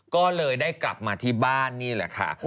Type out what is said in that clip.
ก็เลยได้กลับมาที่บ้านนี่แหละค่ะ